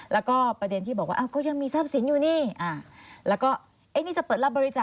แล้วก็ประเด็นที่บอกว่า